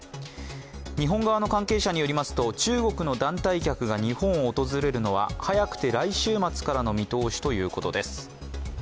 日本側の関係者によりますと、中国の団体客が日本を訪れるのは、早くて来週末からの見通しということです。